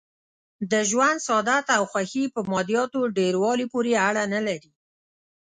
د ژوند سعادت او خوښي په مادیاتو ډېر والي پورې اړه نه لري.